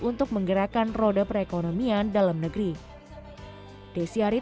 untuk menggerakkan roda perekonomian dalam negeri